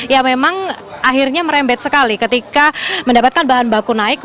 ya memang akhirnya merembet sekali ketika mendapatkan bahan baku naik